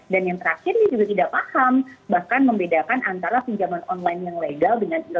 dan yang terakhir dia juga tidak paham bahkan membedakan antara pinjaman online yang legal dengan ilegal